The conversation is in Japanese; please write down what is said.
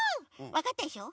わかったでしょ？